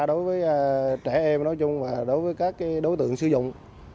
đối với trẻ em nói chung và đối với các đối tượng sử dụng